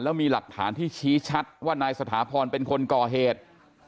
แล้วมีหลักฐานที่ชี้ชัดว่านายสถาพรเป็นคนก่อเหตุ